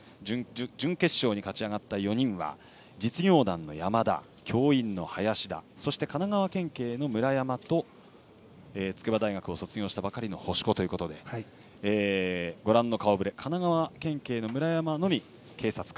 準決勝に勝ち上がった４人は実業団の山田教員の林田、神奈川県警の村山と筑波大学を卒業したばかりの星子ということで神奈川県警の村山のみ警察官。